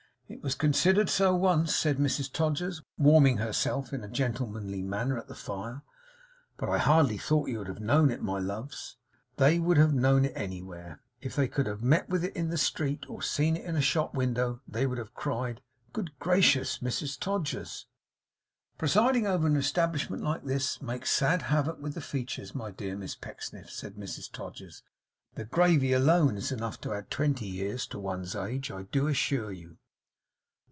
'It was considered so once,' said Mrs Todgers, warming herself in a gentlemanly manner at the fire; 'but I hardly thought you would have known it, my loves.' They would have known it anywhere. If they could have met with it in the street, or seen it in a shop window, they would have cried 'Good gracious! Mrs Todgers!' 'Presiding over an establishment like this, makes sad havoc with the features, my dear Miss Pecksniffs,' said Mrs Todgers. 'The gravy alone, is enough to add twenty years to one's age, I do assure you.